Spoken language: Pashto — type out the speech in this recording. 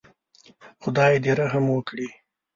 خدای دې رحم وکړي.